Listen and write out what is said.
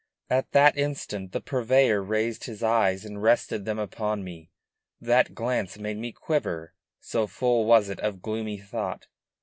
At that instant the purveyor raised his eyes and rested them upon me; that glance made me quiver, so full was it of gloomy thought.